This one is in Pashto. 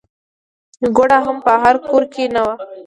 ګوړه هم په هر کور کې نه وه.